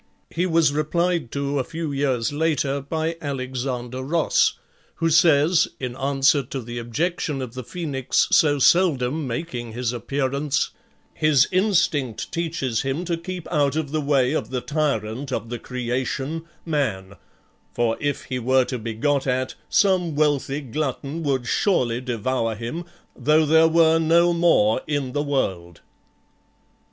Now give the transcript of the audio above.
He was replied to a few years later by Alexander Ross, who says, in answer to the objection of the Phoenix so seldom making his appearance, "His instinct teaches him to keep out of the way of the tyrant of the creation, MAN, for if he were to be got at, some wealthy glutton would surely devour him, though there were no more in the world."